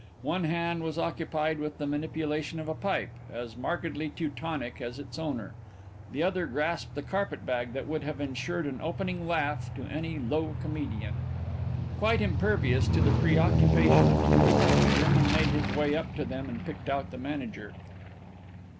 One hand was occupied with the manipulation of a pipe, as markedly Teutonic as its owner; the other grasped a carpet bag that would have ensured an opening laugh to any low comedian. Quite impervious to the preoccupation of the group, the German made his way up to them and picked out the manager.